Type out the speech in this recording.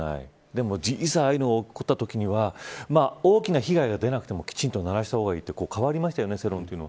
でも実際に起こったときには大きな被害が出なくてもきちんと鳴らした方がいいと変わりましたよね、世論が。